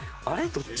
どっち？